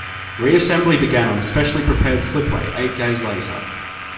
Reassembly began on a specially-prepared slipway eight days later.